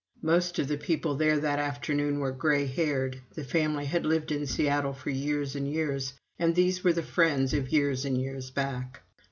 Most of the people there that afternoon were gray haired the family had lived in Seattle for years and years, and these were the friends of years and years back.